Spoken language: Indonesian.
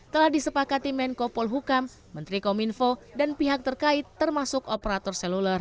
telah disepakati menko polhukam menteri kominfo dan pihak terkait termasuk operator seluler